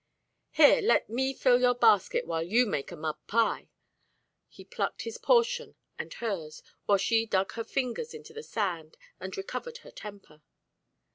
"Here, let me fill your basket while you make a mud pie." He plucked his portion and hers, while she dug her fingers into the sand, and recovered her temper.